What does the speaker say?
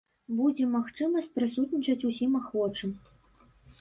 Будзе магчымасць прысутнічаць усім ахвочым.